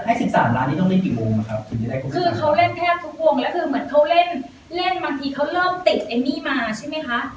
สิบสามล้านนี้ต้องเล่นกี่วงนะครับคือเขาเล่นแทบทุกวงแล้วคือเหมือนเขาเล่นเล่นบางทีเขาเริ่มติดเอมมี่มาใช่ไหมคะ